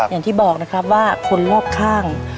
อย่างที่บอกนะครับว่าคนรอบข้าง